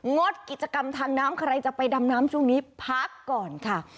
งดกิจกรรมทางน้ำใครจะไปดำน้ำช่วงนี้พักก่อนค่ะ